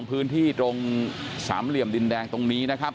เหลือเพียงกลุ่มเจ้าหน้าที่ตอนนี้ได้ทำการแตกกลุ่มออกมาแล้วนะครับ